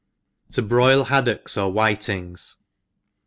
T(? broil Haodocks or WftitiNCs.